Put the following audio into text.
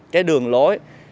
cái đường lối